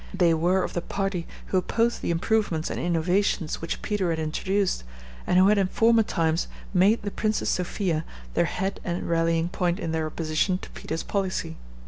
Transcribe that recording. They were of the party who opposed the improvements and innovations which Peter had introduced, and who had in former times made the Princess Sophia their head and rallying point in their opposition to Peter's policy.